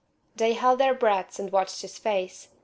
They held their breaths and watched his face.